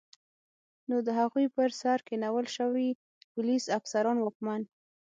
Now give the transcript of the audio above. نو د هغوی پر سر کینول شوي پولیس، افسران، واکمن